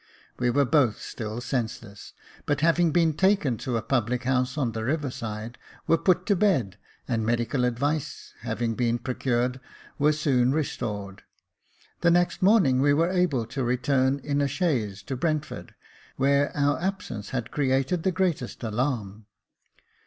We were both still senseless ; but having been taken to a public house on the river side, were put to bed, and medical advice having been procured, were soon restored. The next morning we were able to return in a chaise to Brentford, where our absence had created the greatest alarm.